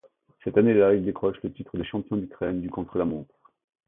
Cette année-là, il décroche le titre de champion d'Ukraine du contre-la-montre.